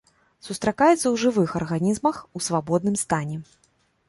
Сустракаецца ў жывых арганізмах у свабодным стане.